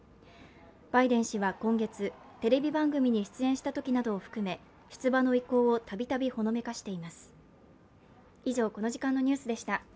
バイデン氏は今月テレビ番組に出演したときなどを含め出馬の意向をたびたびほのめかしています。